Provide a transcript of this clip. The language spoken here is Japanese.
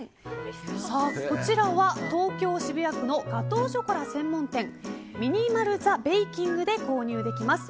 こちらは、東京・渋谷区のガトーショコラ専門店ミニマルザベイキングで購入できます